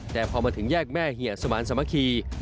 แต่พอมาถึงแยกแม่เหี่ยสมานสามัคคี